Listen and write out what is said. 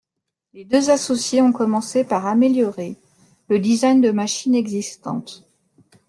Les deux associés ont commencé par améliorer le design de machines existantes.